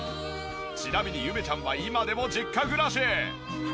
ちなみにゆめちゃんは今でも実家暮らし。